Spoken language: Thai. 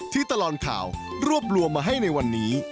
ตลอดข่าวรวบรวมมาให้ในวันนี้